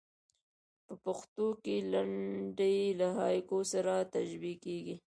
په پښتو کښي لنډۍ له هایکو سره تشبیه کېږي.